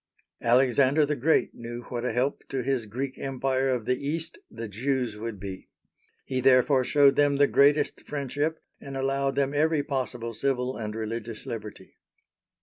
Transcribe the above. Alexander the Great knew what a help to his Greek Empire of the East the Jews would be. He therefore showed them the greatest friendship, and allowed them every possible civil and religious liberty.